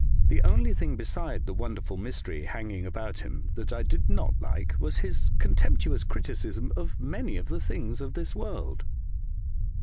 The only thing, beside the wonderful mystery hanging about him, that I did not like was his contemptuous criticism of many of the things of this world.